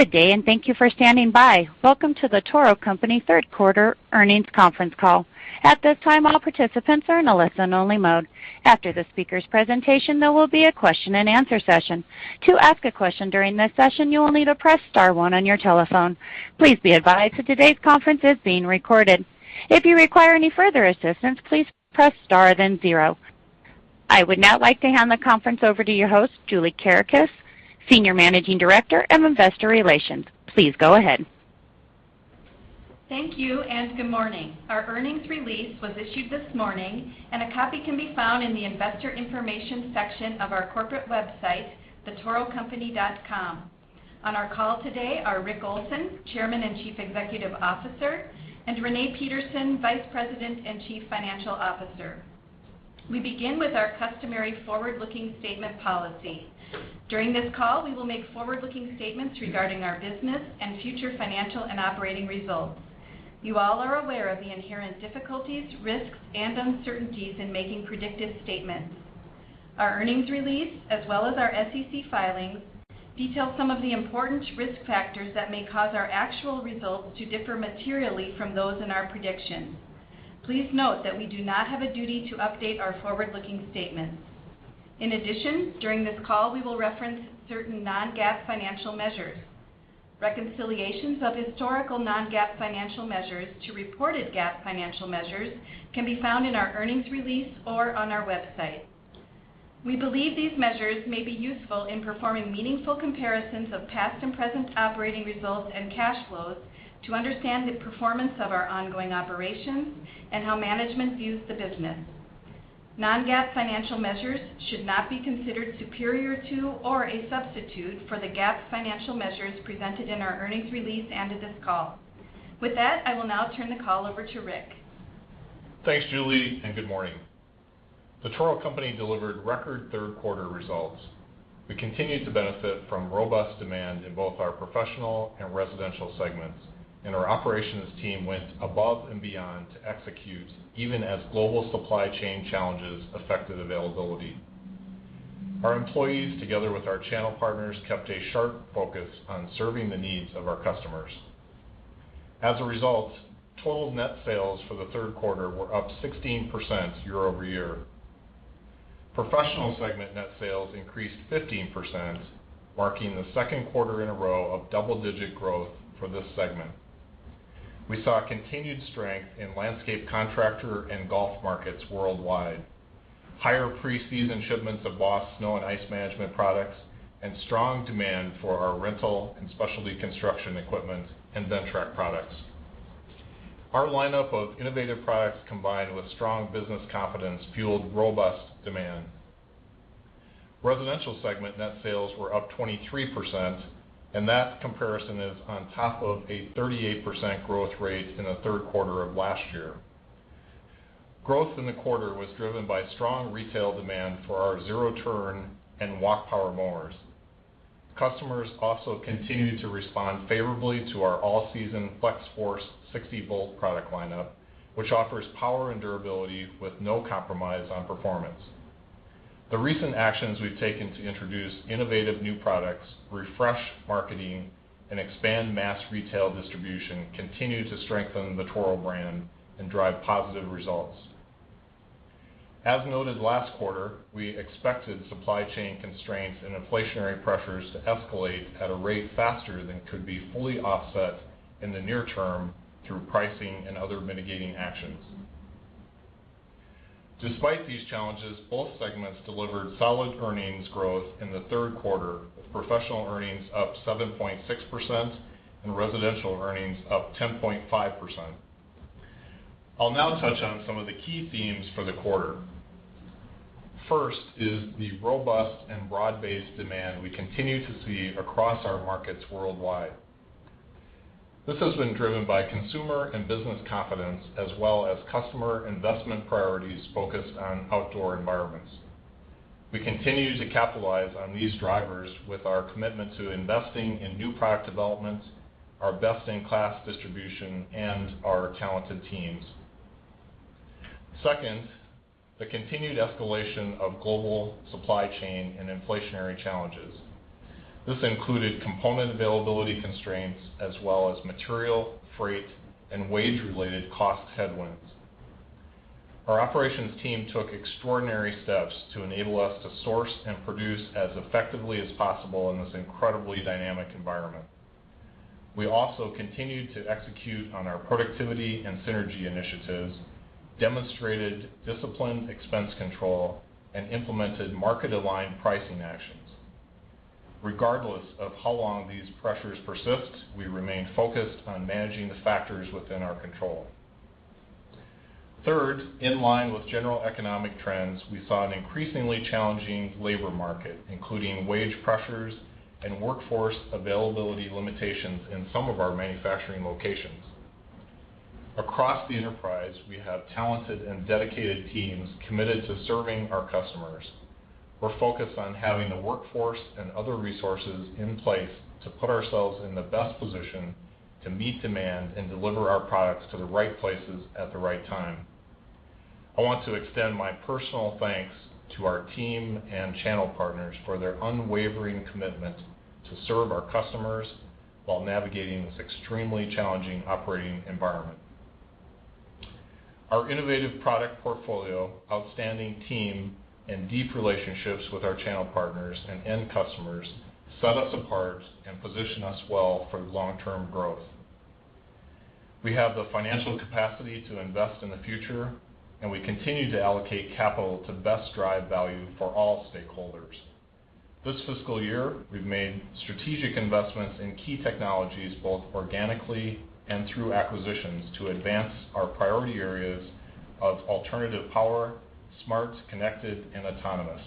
I would now like to hand the conference over to your host, Julie Kerekes, Senior Managing Director of Investor Relations. Please go ahead. Thank you, and good morning. Our earnings release was issued this morning, and a copy can be found in the investor information section of our corporate website, thetorocompany.com. On our call today are Rick Olson, Chairman and Chief Executive Officer, and Renee Peterson, Vice President and Chief Financial Officer. We begin with our customary forward-looking statement policy. During this call, we will make forward-looking statements regarding our business and future financial and operating results. You all are aware of the inherent difficulties, risks, and uncertainties in making predictive statements. Our earnings release, as well as our SEC filings, detail some of the important risk factors that may cause our actual results to differ materially from those in our predictions. Please note that we do not have a duty to update our forward-looking statements. In addition, during this call, we will reference certain non-GAAP financial measures. Reconciliations of historical non-GAAP financial measures to reported GAAP financial measures can be found in our earnings release or on our website. We believe these measures may be useful in performing meaningful comparisons of past and present operating results and cash flows to understand the performance of our ongoing operations and how management views the business. Non-GAAP financial measures should not be considered superior to or a substitute for the GAAP financial measures presented in our earnings release and at this call. With that, I will now turn the call over to Rick. Thanks, Julie, and good morning. The Toro Company delivered record third-quarter results. We continued to benefit from robust demand in both our professional and residential segments, and our operations team went above and beyond to execute, even as global supply chain challenges affected availability. Our employees, together with our channel partners, kept a sharp focus on serving the needs of our customers. As a result, total net sales for the third quarter were up 16% year-over-year. Professional segment net sales increased 15%, marking the second quarter in a row of double-digit growth for this segment. We saw continued strength in landscape contractor and golf markets worldwide, higher pre-season shipments of BOSS snow and ice management products, and strong demand for our rental and specialty construction equipment and Ventrac products. Our lineup of innovative products, combined with strong business confidence, fueled robust demand. Residential segment net sales were up 23%, and that comparison is on top of a 38% growth rate in the third quarter of last year. Growth in the quarter was driven by strong retail demand for our zero-turn and Walk Power Mowers. Customers also continued to respond favorably to our all-season Flex-Force 60-volt product lineup, which offers power and durability with no compromise on performance. The recent actions we've taken to introduce innovative new products, refresh marketing, and expand mass retail distribution continue to strengthen the Toro brand and drive positive results. As noted last quarter, we expected supply chain constraints and inflationary pressures to escalate at a rate faster than could be fully offset in the near term through pricing and other mitigating actions. Despite these challenges, both segments delivered solid earnings growth in the third quarter, with professional earnings up 7.6% and residential earnings up 10.5%. I'll now touch on some of the key themes for the quarter. First is the robust and broad-based demand we continue to see across our markets worldwide. This has been driven by consumer and business confidence, as well as customer investment priorities focused on outdoor environments. We continue to capitalize on these drivers with our commitment to investing in new product developments, our best-in-class distribution, and our talented teams. Second, the continued escalation of global supply chain and inflationary challenges. This included component availability constraints as well as material, freight, and wage-related cost headwinds. Our operations team took extraordinary steps to enable us to source and produce as effectively as possible in this incredibly dynamic environment. We also continued to execute on our productivity and synergy initiatives, demonstrated disciplined expense control, and implemented market-aligned pricing actions. Regardless of how long these pressures persist, we remain focused on managing the factors within our control. Third, in line with general economic trends, we saw an increasingly challenging labor market, including wage pressures and workforce availability limitations in some of our manufacturing locations. Across the enterprise, we have talented and dedicated teams committed to serving our customers. We're focused on having the workforce and other resources in place to put ourselves in the best position to meet demand and deliver our products to the right places at the right time. I want to extend my personal thanks to our team and channel partners for their unwavering commitment to serve our customers while navigating this extremely challenging operating environment. Our innovative product portfolio, outstanding team, and deep relationships with our channel partners and end customers set us apart and position us well for long-term growth. We have the financial capacity to invest in the future, and we continue to allocate capital to best drive value for all stakeholders. This fiscal year, we've made strategic investments in key technologies, both organically and through acquisitions, to advance our priority areas of alternative power, smart, connected, and autonomous.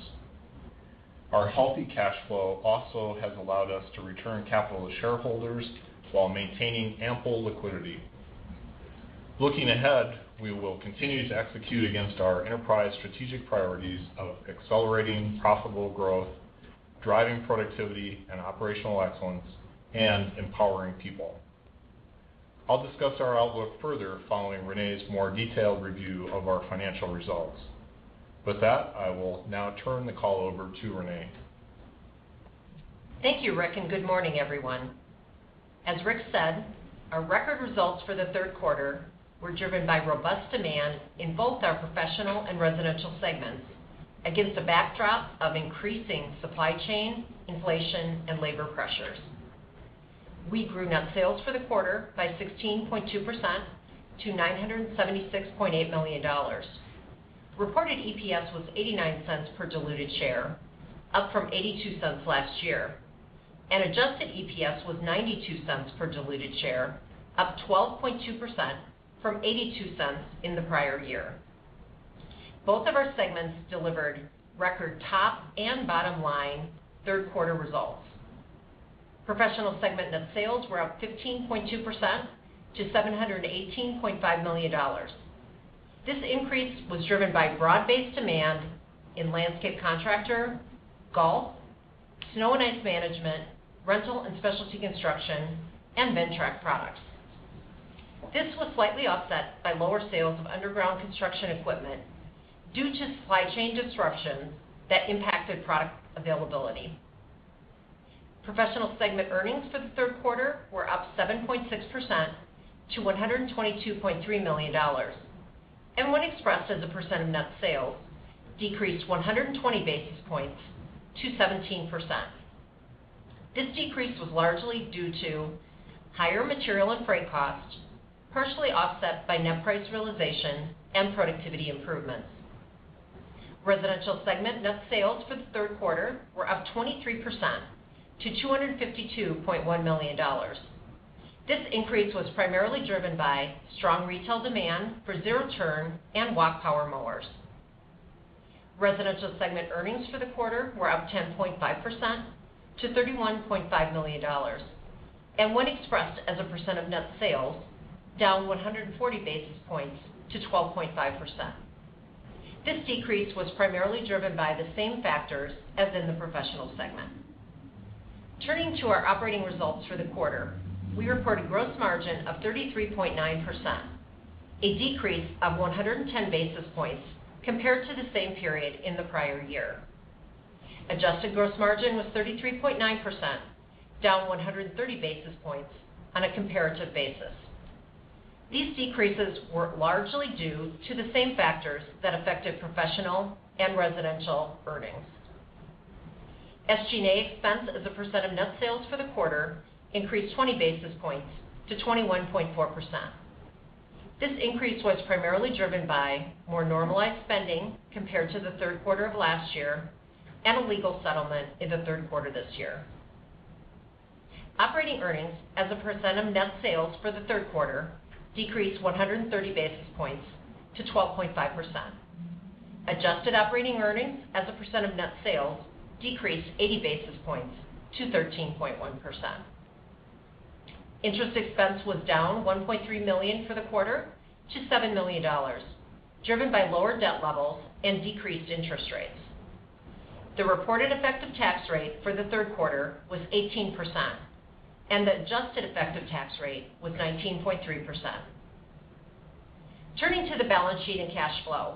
Our healthy cash flow also has allowed us to return capital to shareholders while maintaining ample liquidity. Looking ahead, we will continue to execute against our enterprise strategic priorities of accelerating profitable growth, driving productivity and operational excellence, and empowering people. I'll discuss our outlook further following Renee's more detailed review of our financial results. With that, I will now turn the call over to Renee. Thank you, Rick, and good morning, everyone. As Rick said, our record results for the third quarter were driven by robust demand in both our professional and residential segments against a backdrop of increasing supply chain, inflation, and labor pressures. We grew net sales for the quarter by 16.2% to $976.8 million. Reported EPS was $0.89 per diluted share, up from $0.82 last year, and adjusted EPS was $0.92 per diluted share, up 12.2% from $0.82 in the prior year. Both of our segments delivered record top and bottom line third quarter results. Professional segment net sales were up 15.2% to $718.5 million. This increase was driven by broad-based demand in landscape contractor, golf, snow and ice management, rental and specialty construction, and Ventrac products. This was slightly offset by lower sales of underground construction equipment due to supply chain disruptions that impacted product availability. Professional Segment earnings for the third quarter were up 7.6% to $122.3 million, and when expressed as a percent of net sales, decreased 120 basis points to 17%. This decrease was largely due to higher material and freight costs, partially offset by net price realization and productivity improvements. Residential Segment net sales for the third quarter were up 23% to $252.1 million. This increase was primarily driven by strong retail demand for zero-turn and walk power mowers. Residential Segment earnings for the quarter were up 10.5% to $31.5 million, and when expressed as a percent of net sales, down 140 basis points to 12.5%. This decrease was primarily driven by the same factors as in the Professional Segment. Turning to our operating results for the quarter, we reported gross margin of 33.9%, a decrease of 110 basis points compared to the same period in the prior year. Adjusted gross margin was 33.9%, down 130 basis points on a comparative basis. These decreases were largely due to the same factors that affected professional and residential earnings. SG&A expense as a percent of net sales for the quarter increased 20 basis points to 21.4%. This increase was primarily driven by more normalized spending compared to the third quarter of last year and a legal settlement in the third quarter this year. Operating earnings as a percent of net sales for the third quarter decreased 130 basis points to 12.5%. Adjusted operating earnings as a percent of net sales decreased 80 basis points to 13.1%. Interest expense was down $1.3 million for the quarter to $7 million, driven by lower debt levels and decreased interest rates. The reported effective tax rate for the third quarter was 18%, and the adjusted effective tax rate was 19.3%. Turning to the balance sheet and cash flow,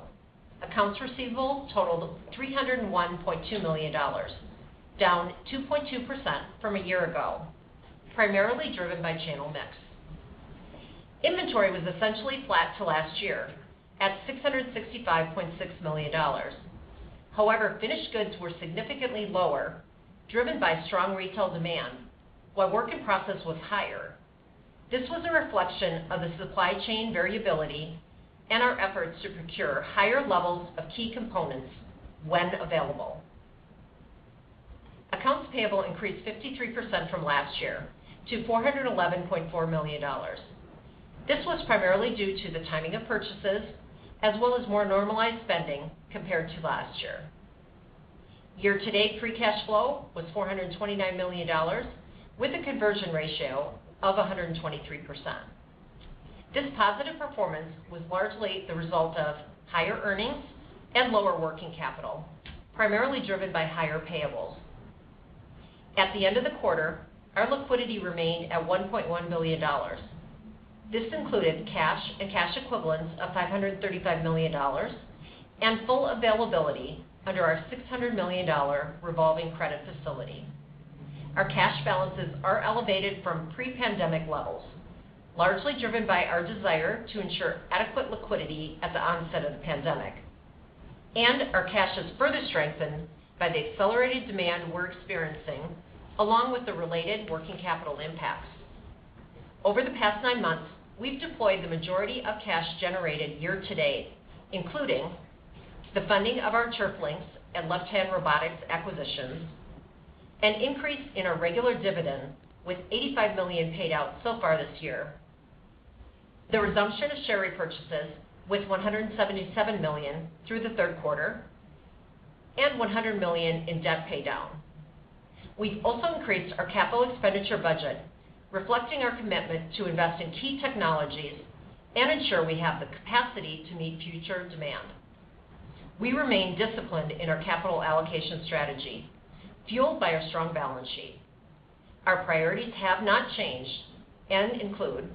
accounts receivable totaled $301.2 million, down 2.2% from a year ago, primarily driven by channel mix. Inventory was essentially flat to last year at $665.6 million. Finished goods were significantly lower, driven by strong retail demand, while work in process was higher. This was a reflection of the supply chain variability and our efforts to procure higher levels of key components when available. Accounts payable increased 53% from last year to $411.4 million. This was primarily due to the timing of purchases, as well as more normalized spending compared to last year. Year-to-date free cash flow was $429 million, with a conversion ratio of 123%. This positive performance was largely the result of higher earnings and lower working capital, primarily driven by higher payables. At the end of the quarter, our liquidity remained at $1.1 billion. This included cash and cash equivalents of $535 million and full availability under our $600 million revolving credit facility. Our cash balances are elevated from pre-pandemic levels, largely driven by our desire to ensure adequate liquidity at the onset of the pandemic. Our cash is further strengthened by the accelerated demand we're experiencing, along with the related working capital impacts. Over the past nine months, we've deployed the majority of cash generated year-to-date, including the funding of our TURFLYNX and Left Hand Robotics acquisitions, an increase in our regular dividend, with $85 million paid out so far this year, the resumption of share repurchases with $177 million through the third quarter, and $100 million in debt paydown. We've also increased our capital expenditure budget, reflecting our commitment to invest in key technologies and ensure we have the capacity to meet future demand. We remain disciplined in our capital allocation strategy, fueled by our strong balance sheet. Our priorities have not changed and include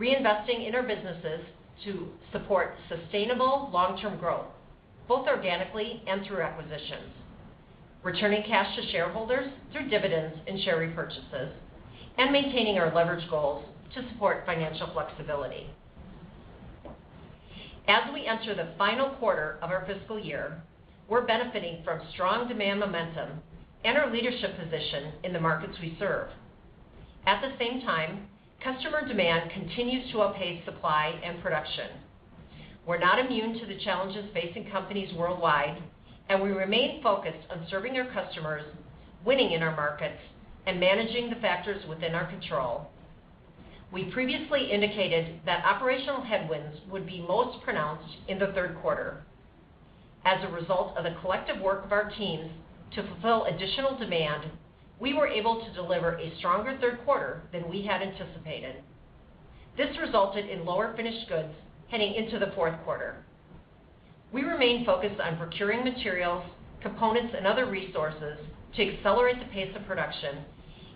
reinvesting in our businesses to support sustainable long-term growth, both organically and through acquisitions, returning cash to shareholders through dividends and share repurchases, and maintaining our leverage goals to support financial flexibility. As we enter the final quarter of our fiscal year, we're benefiting from strong demand momentum and our leadership position in the markets we serve. At the same time, customer demand continues to outpace supply and production. We're not immune to the challenges facing companies worldwide, we remain focused on serving our customers, winning in our markets, and managing the factors within our control. We previously indicated that operational headwinds would be most pronounced in the third quarter. As a result of the collective work of our teams to fulfill additional demand, we were able to deliver a stronger third quarter than we had anticipated. This resulted in lower finished goods heading into the fourth quarter. We remain focused on procuring materials, components, and other resources to accelerate the pace of production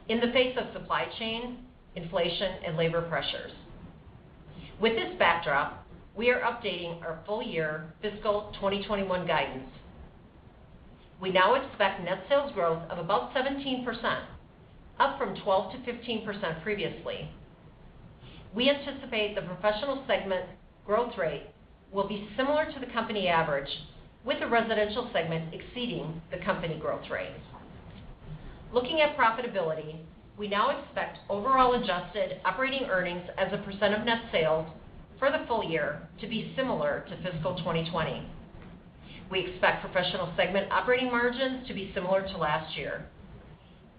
in the face of supply chain, inflation, and labor pressures. With this backdrop, we are updating our full year fiscal 2021 guidance. We now expect net sales growth of above 17%, up from 12%-15% previously. We anticipate the Professional Segment growth rate will be similar to the company average, with the Residential Segment exceeding the company growth rate. Looking at profitability, we now expect overall adjusted operating earnings as a % of net sales for the full year to be similar to fiscal 2020. We expect Professional Segment operating margins to be similar to last year,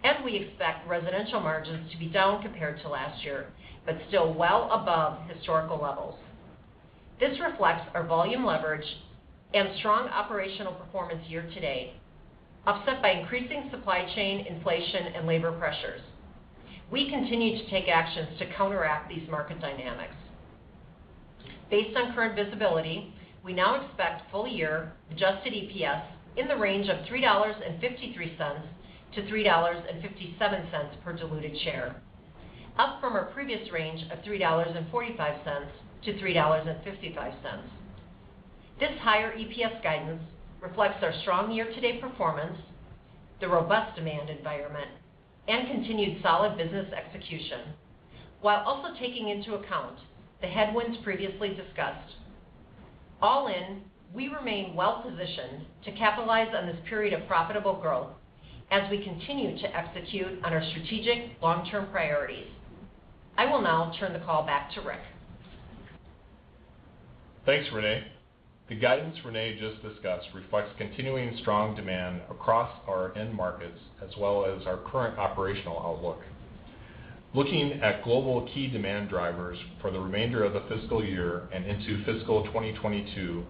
and we expect Residential margins to be down compared to last year, but still well above historical levels. This reflects our volume leverage and strong operational performance year-to-date, offset by increasing supply chain inflation and labor pressures. We continue to take actions to counteract these market dynamics. Based on current visibility, we now expect full year adjusted EPS in the range of $3.53-$3.57 per diluted share, up from our previous range of $3.45-$3.55. This higher EPS guidance reflects our strong year-to-date performance, the robust demand environment, and continued solid business execution, while also taking into account the headwinds previously discussed. All in, we remain well positioned to capitalize on this period of profitable growth as we continue to execute on our strategic long-term priorities. I will now turn the call back to Rick. Thanks, Renee. The guidance Renee just discussed reflects continuing strong demand across our end markets, as well as our current operational outlook. Looking at global key demand drivers for the remainder of the fiscal year and into fiscal 2022,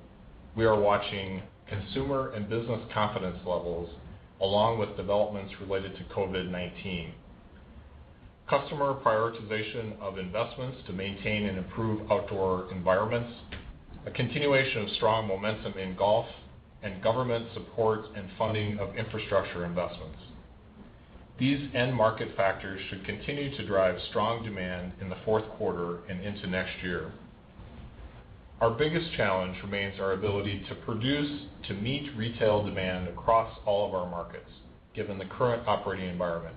we are watching consumer and business confidence levels along with developments related to COVID-19, customer prioritization of investments to maintain and improve outdoor environments, a continuation of strong momentum in golf, and government support and funding of infrastructure investments. These end market factors should continue to drive strong demand in the fourth quarter and into next year. Our biggest challenge remains our ability to produce to meet retail demand across all of our markets, given the current operating environment.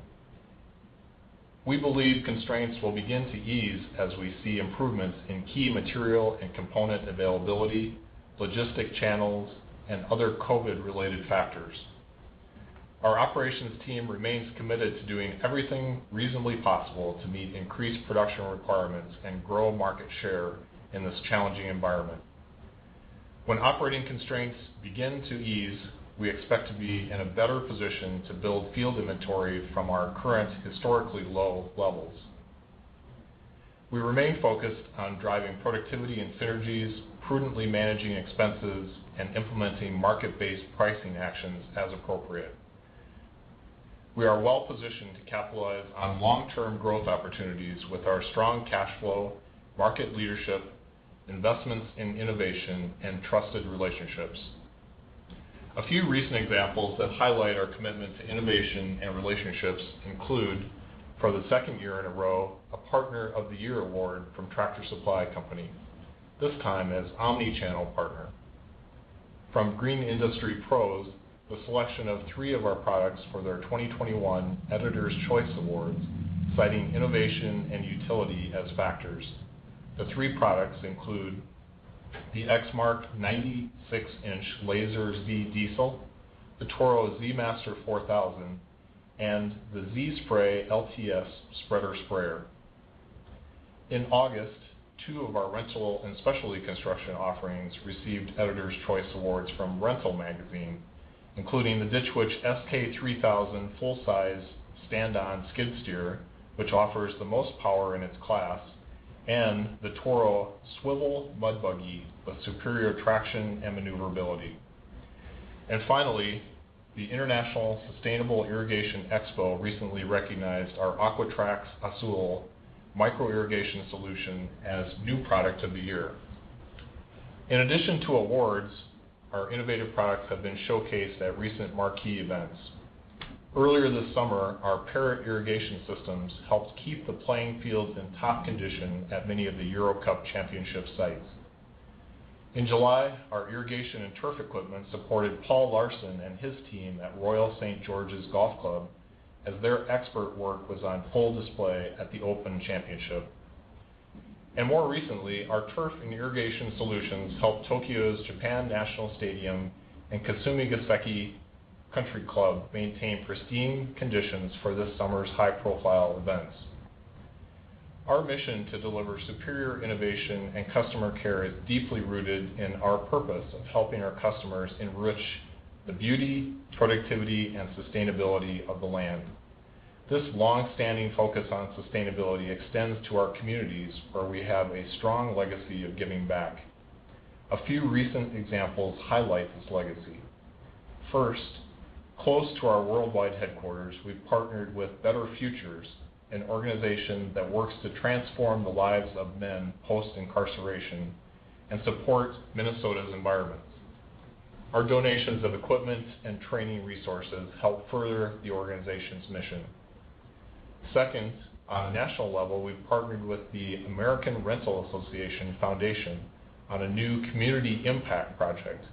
We believe constraints will begin to ease as we see improvements in key material and component availability, logistic channels, and other COVID-related factors. Our operations team remains committed to doing everything reasonably possible to meet increased production requirements and grow market share in this challenging environment. When operating constraints begin to ease, we expect to be in a better position to build field inventory from our current historically low levels. We remain focused on driving productivity and synergies, prudently managing expenses, and implementing market-based pricing actions as appropriate. We are well positioned to capitalize on long-term growth opportunities with our strong cash flow, market leadership, investments in innovation and trusted relationships. A few recent examples that highlight our commitment to innovation and relationships include, for the second year in a row, a Partner of the Year Award from Tractor Supply Company, this time as omnichannel partner. From Green Industry Pros, the selection of three of our products for their 2021 Editors' Choice Awards, citing innovation and utility as factors. The 3 products include the Exmark 96-inch Lazer Z Diesel, the Toro Z Master 4000, and the Z-Spray LTS Spreader Sprayer. In August, 2 of our rental and specialty construction offerings received Editors' Choice Awards from Rental Magazine, including the Ditch Witch SK3000 full-size stand-on skid steer, which offers the most power in its class, and the Toro Swivel Mud Buggy, with superior traction and maneuverability. Finally, the International Sustainable Irrigation Expo recently recognized our Aqua-Traxx Azul micro-irrigation solution as New Product of the Year. In addition to awards, our innovative products have been showcased at recent marquee events. Earlier this summer, our Toro irrigation systems helped keep the playing fields in top condition at many of the Euro Cup championship sites. In July, our irrigation and turf equipment supported Paul Larsen and his team at Royal St. George's Golf Club, as their expert work was on full display at the Open Championship. More recently, our turf and irrigation solutions helped Tokyo's Japan National Stadium and Kasumigaseki Country Club maintain pristine conditions for this summer's high-profile events. Our mission to deliver superior innovation and customer care is deeply rooted in our purpose of helping our customers enrich the beauty, productivity, and sustainability of the land. This longstanding focus on sustainability extends to our communities, where we have a strong legacy of giving back. A few recent examples highlight this legacy. First, close to our worldwide headquarters, we've partnered with Better Futures, an organization that works to transform the lives of men post-incarceration and support Minnesota's environment. Our donations of equipment and training resources help further the organization's mission. Second, on a national level, we've partnered with the American Rental Association Foundation on a new community impact project.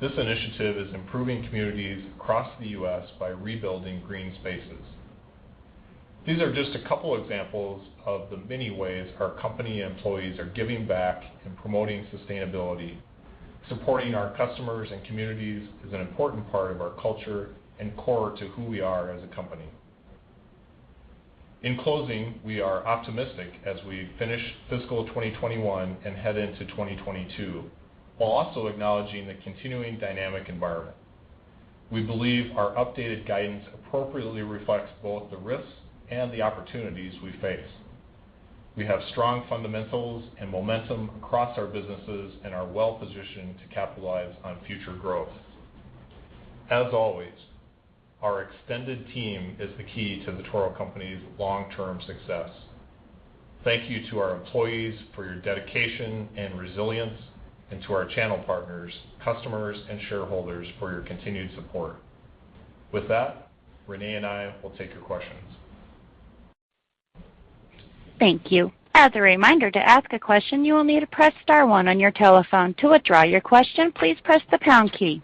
This initiative is improving communities across the U.S. by rebuilding green spaces. These are just a couple examples of the many ways our company employees are giving back and promoting sustainability. Supporting our customers and communities is an important part of our culture and core to who we are as a company. In closing, we are optimistic as we finish fiscal 2021 and head into 2022, while also acknowledging the continuing dynamic environment. We believe our updated guidance appropriately reflects both the risks and the opportunities we face. We have strong fundamentals and momentum across our businesses and are well-positioned to capitalize on future growth. As always, our extended team is the key to The Toro Company's long-term success. Thank you to our employees for your dedication and resilience, and to our channel partners, customers, and shareholders for your continued support. With that, Renee and I will take your questions. Thank you. As a reminder, to ask a question, you will need to press star one on your telephone. To withdraw your question, please press the pound key.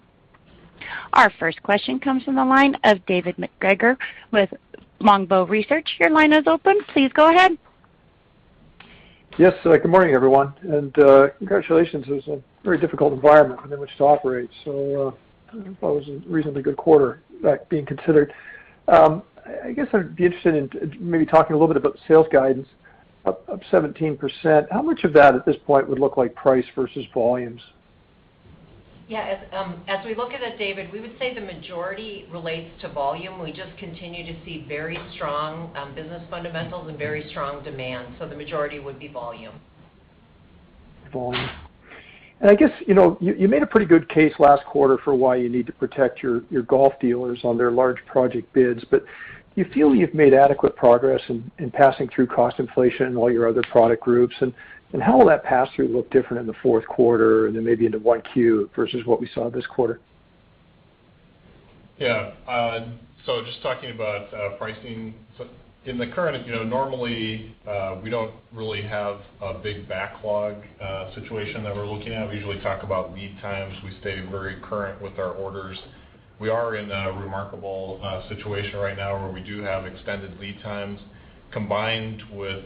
Our first question comes from the line of David MacGregor with Longbow Research. Your line is open. Please go ahead. Yes. Good morning, everyone, and congratulations. It was a very difficult environment in which to operate, so that was a reasonably good quarter, that being considered. I guess I'd be interested in maybe talking a little bit about the sales guidance up 17%. How much of that at this point would look like price versus volumes? Yeah. As we look at it, David MacGregor, we would say the majority relates to volume. We just continue to see very strong business fundamentals and very strong demand, so the majority would be volume. Volume. I guess, you made a pretty good case last quarter for why you need to protect your golf dealers on their large project bids, but do you feel you've made adequate progress in passing through cost inflation in all your other product groups? How will that pass-through look different in the fourth quarter and then maybe into 1Q versus what we saw this quarter? Yeah. Just talking about pricing. In the current, normally, we don't really have a big backlog situation that we're looking at. We usually talk about lead times. We stay very current with our orders. We are in a remarkable situation right now where we do have extended lead times combined with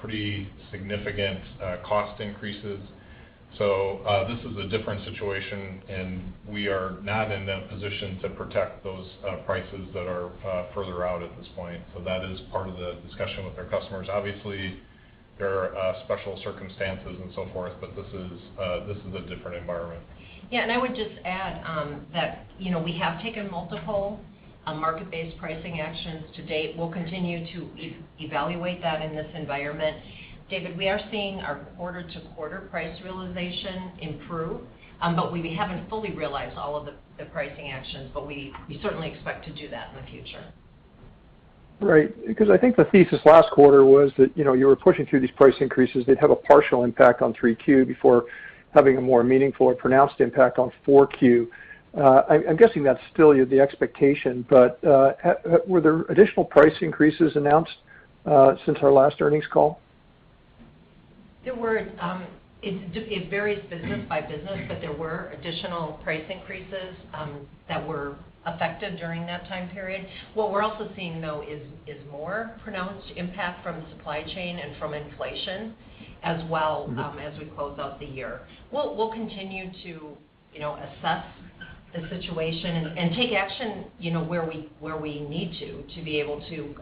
pretty significant cost increases. This is a different situation, and we are not in a position to protect those prices that are further out at this point. That is part of the discussion with our customers. Obviously, there are special circumstances and so forth, but this is a different environment. I would just add that we have taken multiple market-based pricing actions to date. We'll continue to evaluate that in this environment. David, we are seeing our quarter-to-quarter price realization improve, but we haven't fully realized all of the pricing actions, but we certainly expect to do that in the future. Right. I think the thesis last quarter was that you were pushing through these price increases, they'd have a partial impact on Q3 before having a more meaningful or pronounced impact on Q4. I'm guessing that's still the expectation, but were there additional price increases announced since our last earnings call? There were. It varies business by business, there were additional price increases that were effective during that time period. What we're also seeing, though, is more pronounced impact from supply chain and from inflation as well, as we close out the year. We'll continue to assess the situation and take action where we need to be able to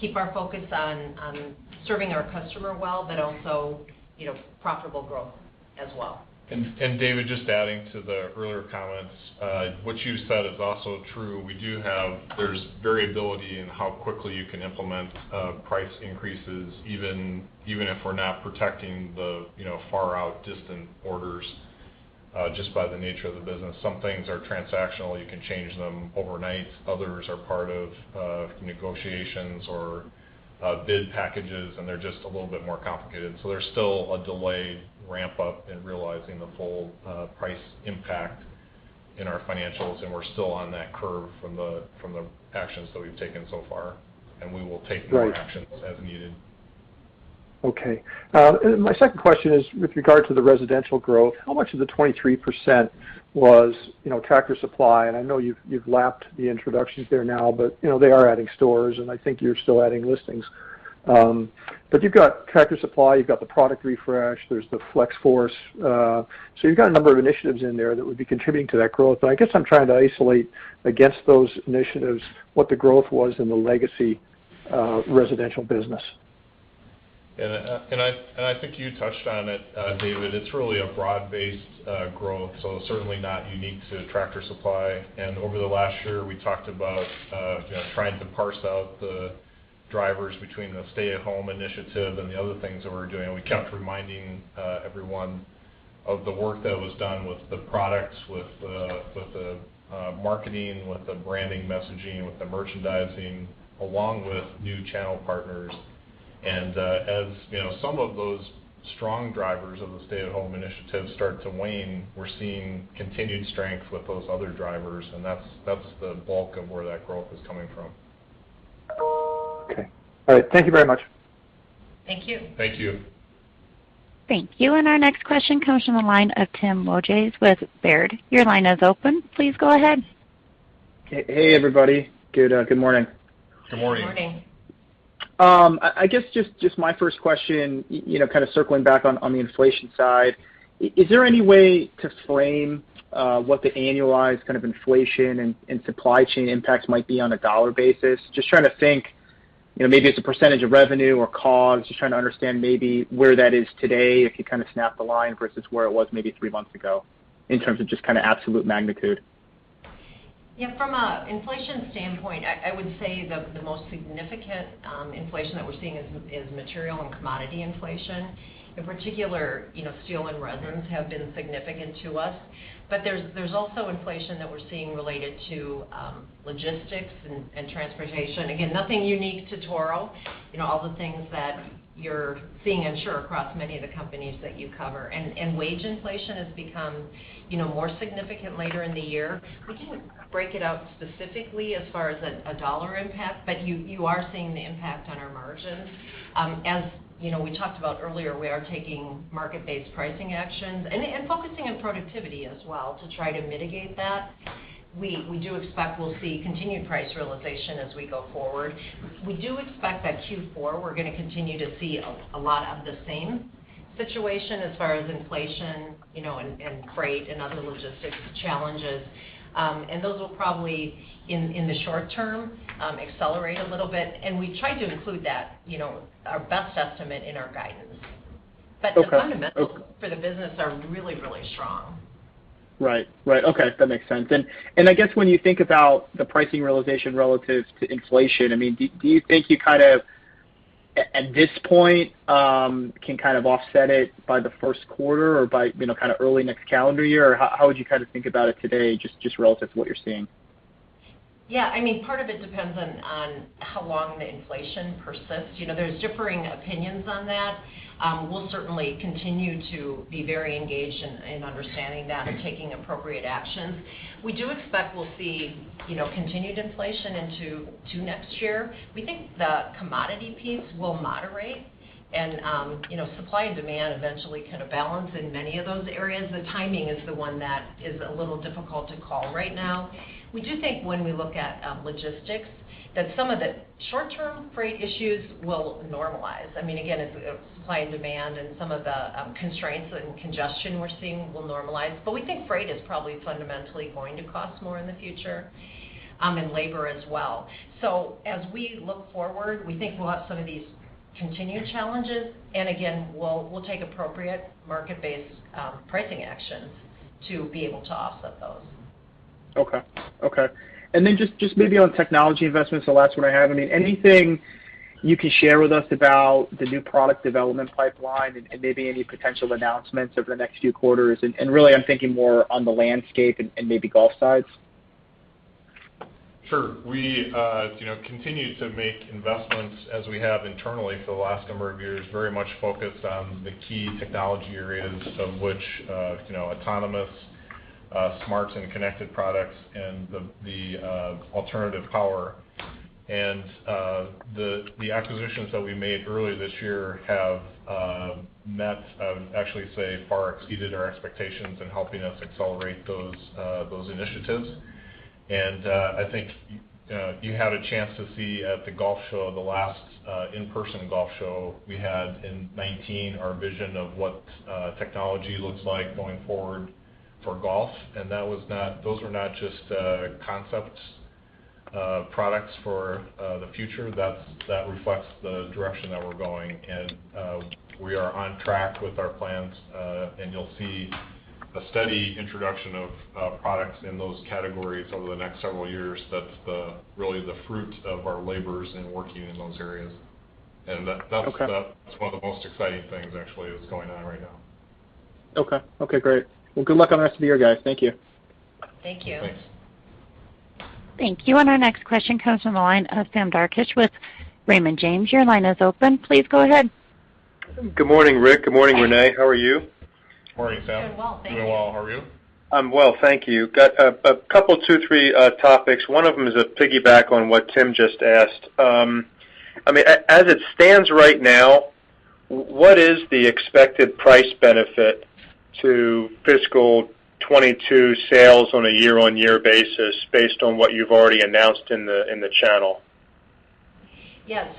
keep our focus on serving our customer well, but also profitable growth as well. David, just adding to the earlier comments, what you said is also true. There's variability in how quickly you can implement price increases, even if we're not protecting the far out distant orders, just by the nature of the business. Some things are transactional, you can change them overnight. Others are part of negotiations or bid packages, and they're just a little bit more complicated. There's still a delayed ramp-up in realizing the full price impact in our financials, and we're still on that curve from the actions that we've taken so far, and we will take more actions as needed. Okay. My second question is with regard to the residential growth. How much of the 23% was Tractor Supply? I know you've lapped the introductions there now, but they are adding stores, and I think you're still adding listings. You've got Tractor Supply, you've got the product refresh, there's the Flex-Force. You've got a number of initiatives in there that would be contributing to that growth. I guess I'm trying to isolate against those initiatives, what the growth was in the legacy residential business. I think you touched on it, David. It's really a broad-based growth, certainly not unique to Tractor Supply. Over the last year, we talked about trying to parse out the drivers between the stay-at-home initiative and the other things that we were doing. We kept reminding everyone of the work that was done with the products, with the marketing, with the branding messaging, with the merchandising, along with new channel partners. As some of those strong drivers of the stay-at-home initiative start to wane, we're seeing continued strength with those other drivers, and that's the bulk of where that growth is coming from. Okay. All right. Thank you very much. Thank you. Thank you. Thank you. Our next question comes from the line of Tim Wojs with Baird. Your line is open. Please go ahead. Hey, everybody. Good morning. Good morning. Good morning. I guess just my first question, kind of circling back on the inflation side, is there any way to frame what the annualized kind of inflation and supply chain impacts might be on a dollar basis? Just trying to think, maybe it's a percentage of revenue or COGS. Just trying to understand maybe where that is today, if you kind of snap the line versus where it was maybe 3 months ago in terms of just kind of absolute magnitude. From an inflation standpoint, I would say the most significant inflation that we're seeing is material and commodity inflation. In particular, steel and resins have been significant to us. There's also inflation that we're seeing related to logistics and transportation. Again, nothing unique to Toro. All the things that you're seeing I'm sure across many of the companies that you cover. Wage inflation has become more significant later in the year. We can break it out specifically as far as a $1 impact, but you are seeing the impact on our margins. As we talked about earlier, we are taking market-based pricing actions and focusing on productivity as well to try to mitigate that. We do expect we'll see continued price realization as we go forward. We do expect that Q4, we're going to continue to see a lot of the same situation as far as inflation, and freight and other logistics challenges. Those will probably, in the short term, accelerate a little bit, and we try to include that, our best estimate in our guidance. Okay. The fundamentals for the business are really, really strong. Right. Okay. That makes sense. I guess when you think about the pricing realization relative to inflation, do you think you kind of, at this point, can kind of offset it by the first quarter or by early next calendar year? Or how would you kind of think about it today, just relative to what you're seeing? Yeah. Part of it depends on how long the inflation persists. There's differing opinions on that. We'll certainly continue to be very engaged in understanding that and taking appropriate actions. We do expect we'll see continued inflation into next year. We think the commodity piece will moderate, and supply and demand eventually kind of balance in many of those areas. The timing is the one that is a little difficult to call right now. We do think when we look at logistics, that some of the short-term freight issues will normalize. Again, supply and demand and some of the constraints and congestion we're seeing will normalize. We think freight is probably fundamentally going to cost more in the future, and labor as well. As we look forward, we think we'll have some of these continued challenges, and again, we'll take appropriate market-based pricing actions to be able to offset those. Okay. Then just maybe on technology investments, the last one I have. Anything you can share with us about the new product development pipeline and maybe any potential announcements over the next few quarters? Really, I'm thinking more on the landscape and maybe golf sides. Sure. We continue to make investments as we have internally for the last number of years, very much focused on the key technology areas of which autonomous, smart and connected products, and the alternative power. The acquisitions that we made early this year have met, I would actually say far exceeded our expectations in helping us accelerate those initiatives. I think you had a chance to see at the golf show, the last in-person golf show we had in 2019, our vision of what technology looks like going forward for golf. Those were not just concepts of products for the future. That reflects the direction that we're going, and we are on track with our plans. You'll see a steady introduction of products in those categories over the next several years. That's really the fruit of our labors in working in those areas. Okay. That's one of the most exciting things actually that's going on right now. Okay. Okay, great. Good luck on the rest of the year, guys. Thank you. Thank you. Thanks. Thank you. Our next question comes from the line of Sam Darkatsh with Raymond James. Your line is open. Please go ahead. Good morning, Rick. Good morning, Renee. How are you? Morning, Sam. Doing well, thank you. Doing well. How are you? I'm well, thank you. Got a couple, two, three topics. One of them is a piggyback on what Tim just asked. As it stands right now, what is the expected price benefit to fiscal 2022 sales on a year-on-year basis based on what you've already announced in the channel? Yes.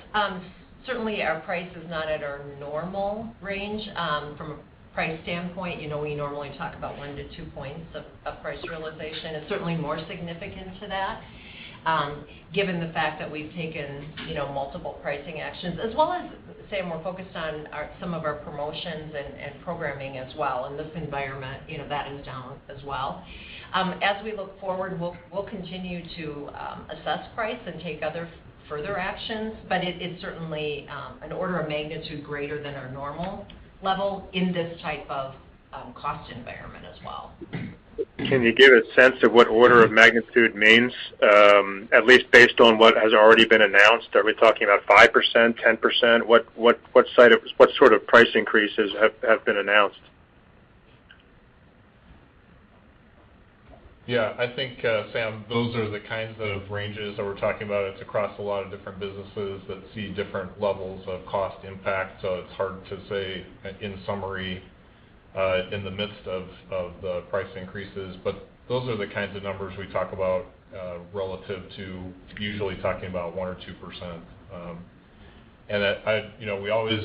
Certainly, our price is not at our normal range from a price standpoint. We normally talk about one to two points of price realization. It's certainly more significant to that, given the fact that we've taken multiple pricing actions as well as, Sam, we're focused on some of our promotions and programming as well in this environment, that is down as well. As we look forward, we'll continue to assess price and take other further actions, but it's certainly an order of magnitude greater than our normal level in this type of cost environment as well. Can you give a sense of what order of magnitude means? At least based on what has already been announced, are we talking about 5%, 10%? What sort of price increases have been announced? Yeah, I think, Sam, those are the kinds of ranges that we're talking about. It's across a lot of different businesses that see different levels of cost impact, so it's hard to say in summary in the midst of the price increases. Those are the kinds of numbers we talk about relative to usually talking about 1% or 2%. We always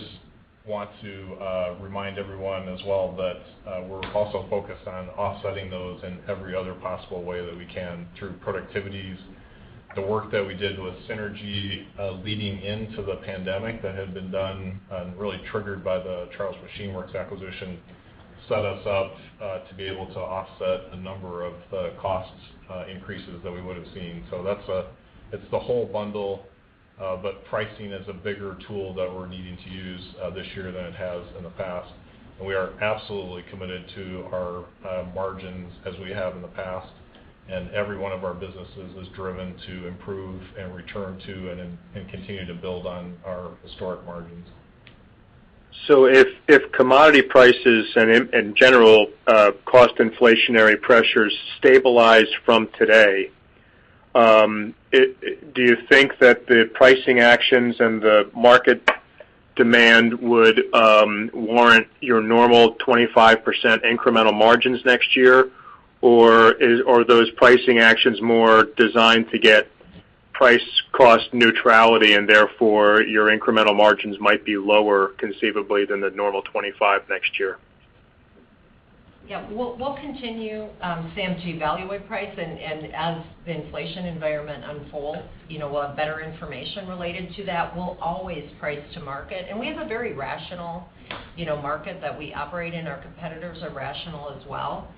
want to remind everyone as well that we're also focused on offsetting those in every other possible way that we can through productivities. The work that we did with synergy leading into the pandemic that had been done and really triggered by the Charles Machine Works acquisition set us up to be able to offset a number of the cost increases that we would've seen. It's the whole bundle, but pricing is a bigger tool that we're needing to use this year than it has in the past. We are absolutely committed to our margins as we have in the past, and every one of our businesses is driven to improve and return to, and continue to build on our historic margins. If commodity prices and in general cost inflationary pressures stabilize from today, do you think that the pricing actions and the market demand would warrant your normal 25% incremental margins next year? Are those pricing actions more designed to get price cost neutrality and therefore your incremental margins might be lower conceivably than the normal 25% next year? We'll continue, Sam, to evaluate price. As the inflation environment unfolds, we'll have better information related to that. We'll always price to market. We have a very rational market that we operate in. Our competitors are rational as well.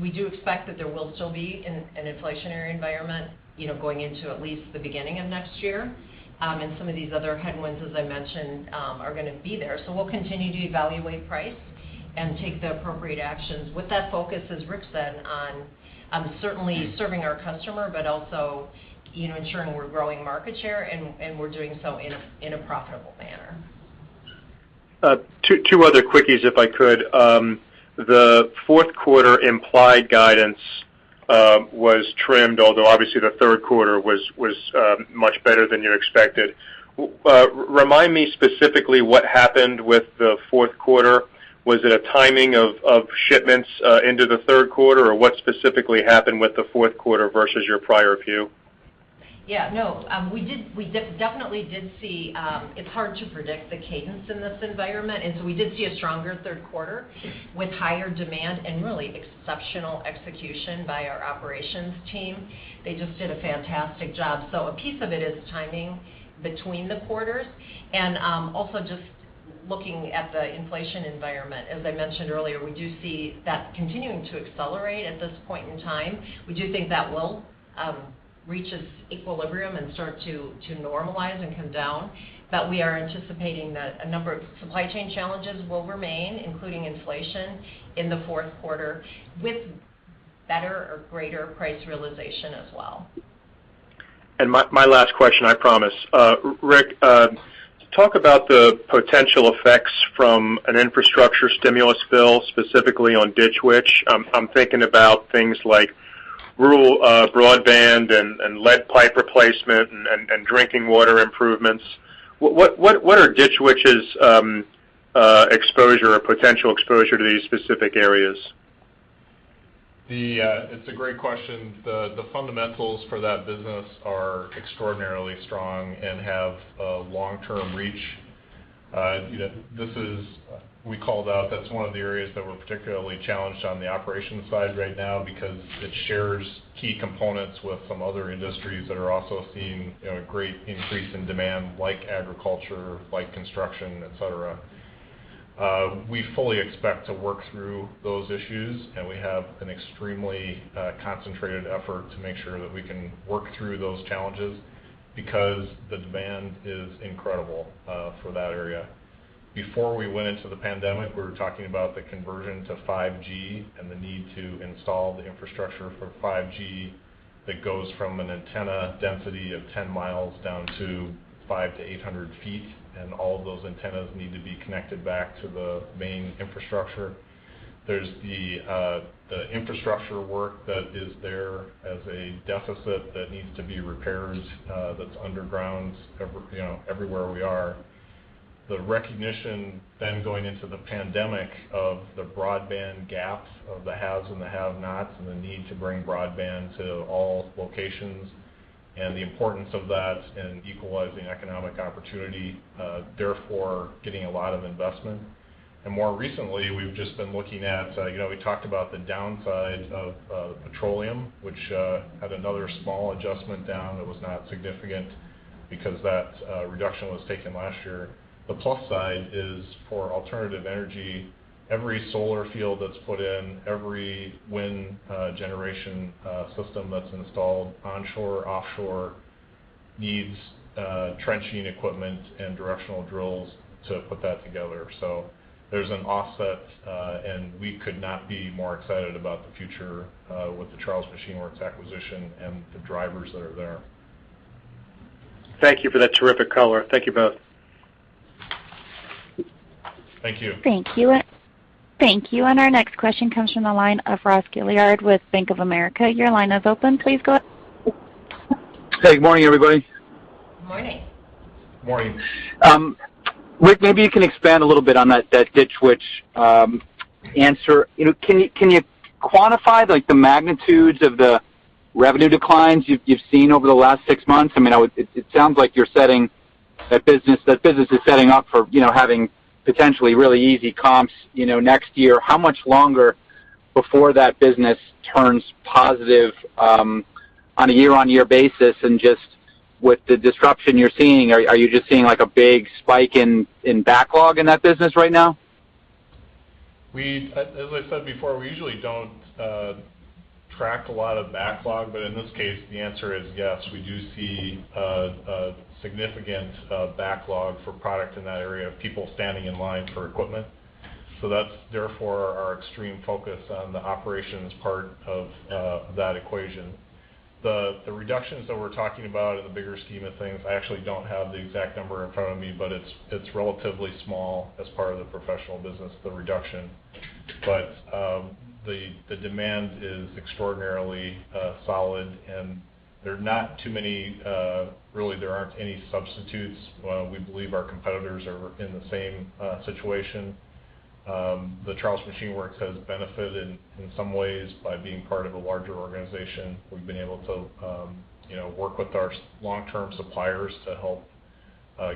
We do expect that there will still be an inflationary environment going into at least the beginning of next year. Some of these other headwinds, as I mentioned, are going to be there. We'll continue to evaluate price and take the appropriate actions with that focus, as Rick said, on certainly serving our customer, but also ensuring we're growing market share and we're doing so in a profitable manner. Two other quickies if I could. The fourth quarter implied guidance was trimmed, although obviously the third quarter was much better than you expected. Remind me specifically what happened with the fourth quarter. Was it a timing of shipments into the third quarter? Or what specifically happened with the fourth quarter versus your prior view? We definitely did see it's hard to predict the cadence in this environment. We did see a stronger third quarter with higher demand and really exceptional execution by our operations team. They just did a fantastic job. A piece of it is timing between the quarters and also just looking at the inflation environment, as I mentioned earlier, we do see that continuing to accelerate at this point in time. We do think that will reach its equilibrium and start to normalize and come down. We are anticipating that a number of supply chain challenges will remain, including inflation in the fourth quarter, with better or greater price realization as well. My last question, I promise. Rick, talk about the potential effects from an infrastructure stimulus bill, specifically on Ditch Witch. I'm thinking about things like rural broadband and lead pipe replacement and drinking water improvements. What are Ditch Witch's exposure or potential exposure to these specific areas? It's a great question. The fundamentals for that business are extraordinarily strong and have a long-term reach. We called out that's one of the areas that we're particularly challenged on the operations side right now because it shares key components with some other industries that are also seeing a great increase in demand, like agriculture, like construction, et cetera. We fully expect to work through those issues, and we have an extremely concentrated effort to make sure that we can work through those challenges because the demand is incredible for that area. Before we went into the pandemic, we were talking about the conversion to 5G and the need to install the infrastructure for 5G that goes from an antenna density of 10 miles down to 5-800 feet, and all of those antennas need to be connected back to the main infrastructure. There's the infrastructure work that is there as a deficit that needs to be repaired that's underground everywhere we are. The recognition then going into the pandemic of the broadband gaps of the haves and the have-nots and the need to bring broadband to all locations and the importance of that in equalizing economic opportunity, therefore, getting a lot of investment. More recently, we've just been looking at, we talked about the downside of petroleum, which had another small adjustment down that was not significant because that reduction was taken last year. The plus side is for alternative energy. Every solar field that's put in, every wind generation system that's installed onshore or offshore needs trenching equipment and directional drills to put that together. There's an offset, and we could not be more excited about the future with the Charles Machine Works acquisition and the drivers that are there. Thank you for that terrific color. Thank you both. Thank you. Thank you. Our next question comes from the line of Ross Gilardi with Bank of America. Your line is open, please go ahead. Hey, good morning, everybody. Morning. Morning. Rick, maybe you can expand a little bit on that Ditch Witch answer. Can you quantify the magnitudes of the revenue declines you've seen over the last six months? It sounds like that business is setting up for having potentially really easy comps next year. How much longer before that business turns positive on a year-on-year basis? Just with the disruption you're seeing, are you just seeing a big spike in backlog in that business right now? As I said before, we usually don't track a lot of backlog, but in this case, the answer is yes. We do see a significant backlog for product in that area of people standing in line for equipment. That's therefore our extreme focus on the operations part of that equation. The reductions that we're talking about in the bigger scheme of things, I actually don't have the exact number in front of me, but it's relatively small as part of the professional business, the reduction. The demand is extraordinarily solid, and there aren't any substitutes. We believe our competitors are in the same situation. The Charles Machine Works has benefited in some ways by being part of a larger organization. We've been able to work with our long-term suppliers to help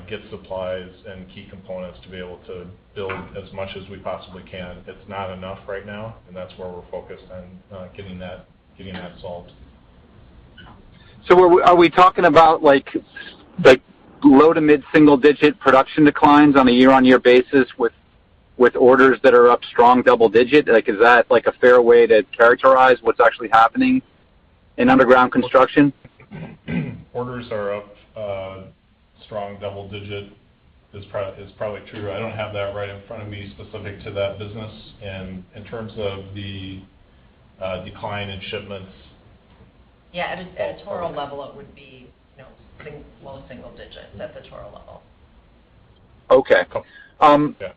get supplies and key components to be able to build as much as we possibly can. It's not enough right now, and that's where we're focused on getting that solved. Are we talking about low to mid-single-digit production declines on a year-on-year basis with orders that are up strong double digit? Is that a fair way to characterize what's actually happening in underground construction? Orders are up a strong double digit is probably true. I don't have that right in front of me specific to that business. In terms of the decline in shipments. Yeah, at a Toro level, it would be low single digit. At the Toro level. Okay. Yeah.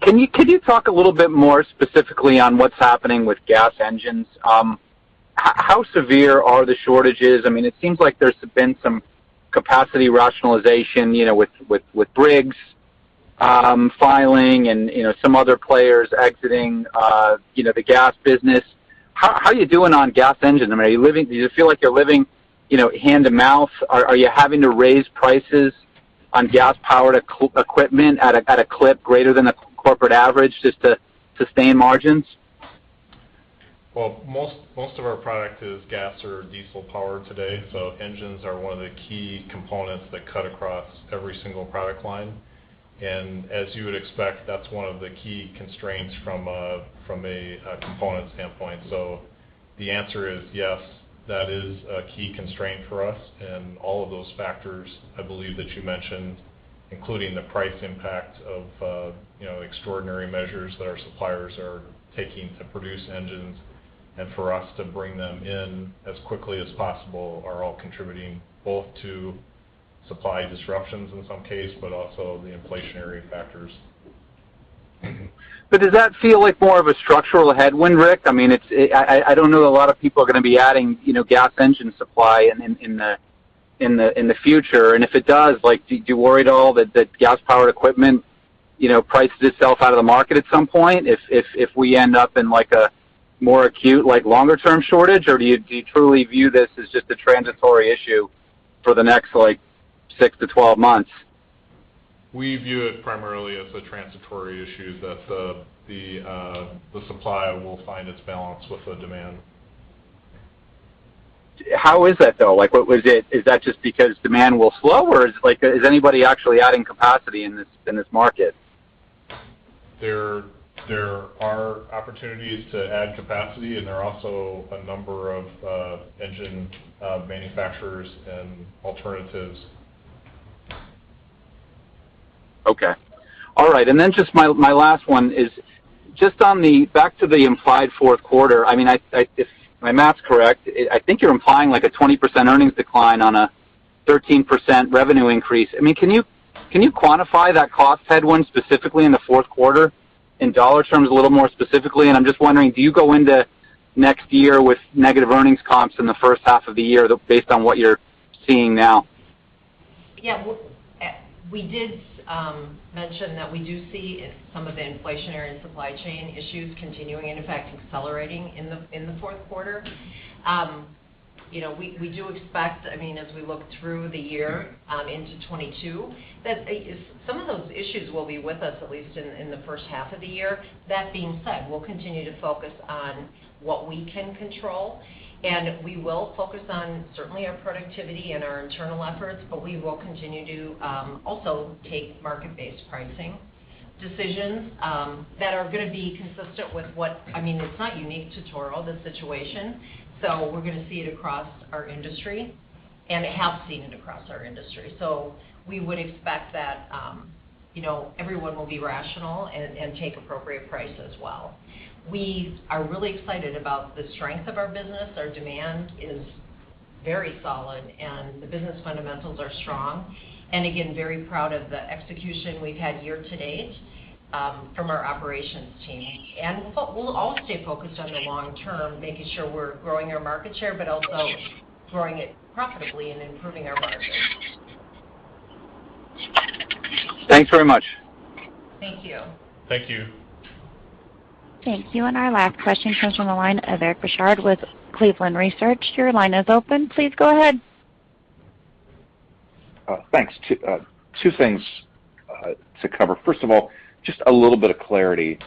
Can you talk a little bit more specifically on what's happening with gas engines? How severe are the shortages? It seems like there's been some capacity rationalization with Briggs filing and some other players exiting the gas business. How are you doing on gas engines? Do you feel like you're living hand to mouth? Are you having to raise prices on gas-powered equipment at a clip greater than a corporate average just to sustain margins? Most of our product is gas or diesel powered today. Engines are one of the key components that cut across every single product line. As you would expect, that is one of the key constraints from a component standpoint. The answer is yes, that is a key constraint for us. All of those factors, I believe, that you mentioned, including the price impact of extraordinary measures that our suppliers are taking to produce engines and for us to bring them in as quickly as possible, are all contributing both to supply disruptions in some case, but also the inflationary factors. Does that feel like more of a structural headwind, Rick? I don't know that a lot of people are going to be adding gas engine supply in the future. If it does, do you worry at all that gas-powered equipment prices itself out of the market at some point if we end up in a more acute, longer-term shortage? Do you truly view this as just a transitory issue for the next 6 to 12 months? We view it primarily as a transitory issue, that the supply will find its balance with the demand. How is that, though? Is that just because demand will slow, or is anybody actually adding capacity in this market? There are opportunities to add capacity, and there are also a number of engine manufacturers and alternatives. Okay. All right. Just my last one is just on the back to the implied fourth quarter. If my math's correct, I think you're implying like a 20% earnings decline on a 13% revenue increase. Can you quantify that cost headwind specifically in the fourth quarter in dollar terms a little more specifically? I'm just wondering, do you go into next year with negative earnings comps in the first half of the year based on what you're seeing now? Yeah. We did mention that we do see some of the inflationary and supply chain issues continuing, and in fact, accelerating in the fourth quarter. We do expect, as we look through the year into 2022, that some of those issues will be with us at least in the first half of the year. That being said, we'll continue to focus on what we can control, and we will focus on certainly our productivity and our internal efforts, but we will continue to also take market-based pricing decisions that are going to be consistent with it's not unique to Toro, this situation. We're going to see it across our industry, and have seen it across our industry. We would expect that everyone will be rational and take appropriate price as well. We are really excited about the strength of our business. Our demand is very solid, and the business fundamentals are strong. Again, very proud of the execution we've had year to date from our operations team. We'll all stay focused on the long term, making sure we're growing our market share, but also growing it profitably and improving our margins. Thanks very much. Thank you. Thank you. Thank you. Our last question comes from the line of Eric Bosshard with Cleveland Research. Your line is open. Please go ahead. Thanks. 2 things to cover. First of all, just a little bit of clarity.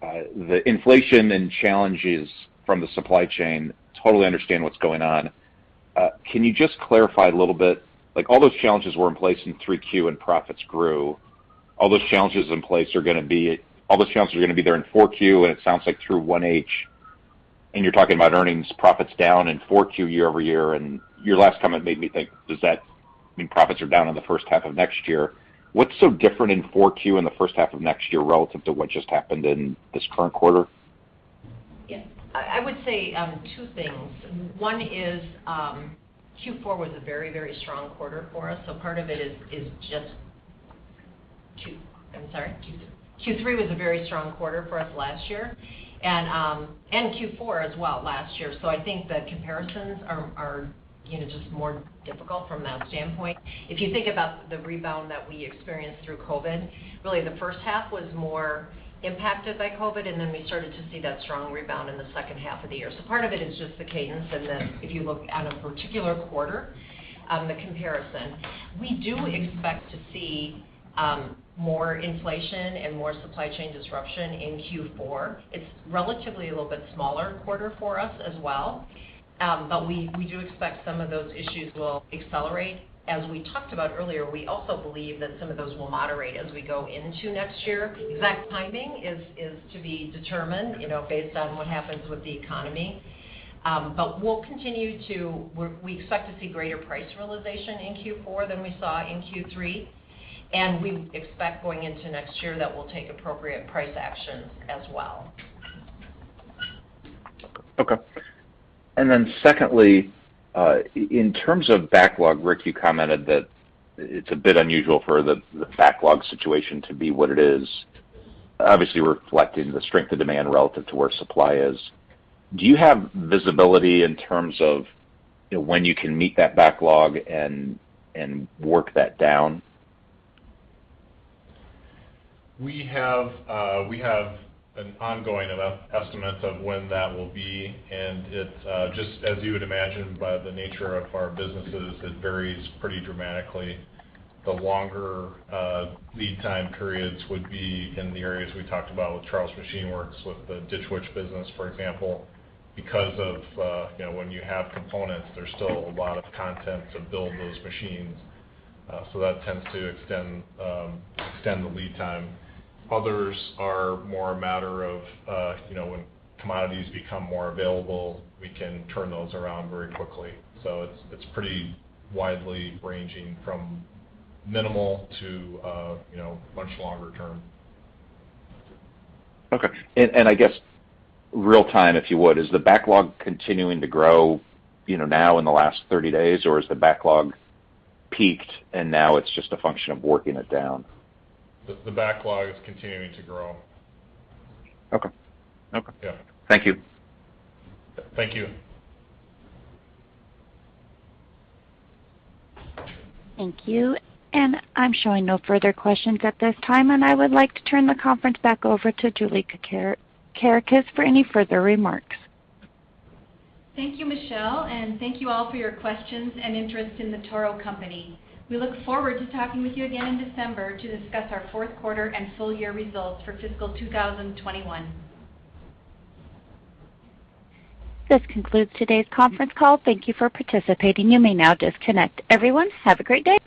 The inflation and challenges from the supply chain, totally understand what's going on. Can you just clarify a little bit? All those challenges were in place in 3Q and profits grew. All those challenges in place are going to be there in 4Q, and it sounds like through first half. You're talking about earnings profits down in 4Q year-over-year. Your last comment made me think, does that mean profits are down in the first half of next year? What's so different in 4Q and the first half of next year relative to what just happened in this current quarter? Yeah. I would say 2 things. One is Q4 was a very strong quarter for us, part of it is just I'm sorry? Q3 was a very strong quarter for us last year, Q4 as well last year. I think the comparisons are just more difficult from that standpoint. If you think about the rebound that we experienced through COVID-19, really the first half was more impacted by COVID-19, then we started to see that strong rebound in the second half of the year. Part of it is just the cadence, then if you look at a particular quarter, the comparison. We do expect to see more inflation and more supply chain disruption in Q4. It's relatively a little bit smaller quarter for us as well. We do expect some of those issues will accelerate. As we talked about earlier, we also believe that some of those will moderate as we go into next year. Exact timing is to be determined based on what happens with the economy. We expect to see greater price realization in Q4 than we saw in Q3, and we expect going into next year that we'll take appropriate price actions as well. Okay. Secondly, in terms of backlog, Rick, you commented that it's a bit unusual for the backlog situation to be what it is, obviously reflecting the strength of demand relative to where supply is. Do you have visibility in terms of when you can meet that backlog and work that down? We have an ongoing estimate of when that will be, and it's just as you would imagine by the nature of our businesses, it varies pretty dramatically. The longer lead time periods would be in the areas we talked about with The Charles Machine Works, with the Ditch Witch business, for example. Because of when you have components, there's still a lot of content to build those machines. That tends to extend the lead time. Others are more a matter of when commodities become more available, we can turn those around very quickly. It's pretty widely ranging from minimal to much longer term. Okay. I guess real time, if you would, is the backlog continuing to grow now in the last 30 days, or has the backlog peaked and now it's just a function of working it down? The backlog is continuing to grow. Okay. Yeah. Thank you. Thank you. Thank you. I'm showing no further questions at this time. I would like to turn the conference back over to Julie Kerekes for any further remarks. Thank you, Michelle. Thank you all for your questions and interest in The Toro Company. We look forward to talking with you again in December to discuss our fourth quarter and full year results for fiscal 2021. This concludes today's conference call. Thank you for participating. You may now disconnect. Everyone, have a great day.